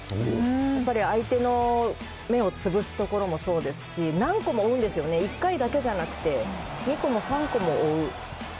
やっぱり相手の目をつぶすところもそうですし、何個も追うんですよね、１回だけじゃなくて、あっ、本当だ。